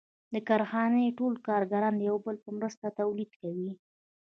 د کارخانې ټول کارګران د یو بل په مرسته تولید کوي